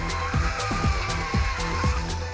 kok bisa sampai sini lagi